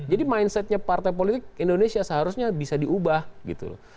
jadi mindsetnya partai politik indonesia seharusnya bisa diubah gitu loh